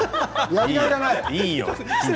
いいよ。